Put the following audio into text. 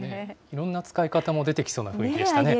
いろんな使い方も出てきそうな雰囲気でしたね。